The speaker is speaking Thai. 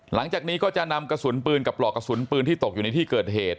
หลังจากนี้ก็จะนำกระสุนปืนกับปลอกกระสุนปืนที่ตกอยู่ในที่เกิดเหตุ